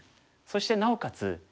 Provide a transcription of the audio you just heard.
そしてなおかつ